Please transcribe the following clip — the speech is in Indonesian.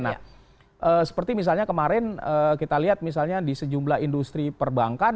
nah seperti misalnya kemarin kita lihat misalnya di sejumlah industri perbankan